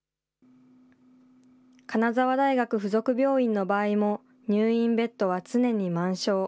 金沢大学附属病院の場合も、入院ベッドは常に満床。